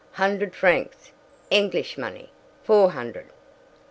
"Hundred francs Engleesh money, four pound."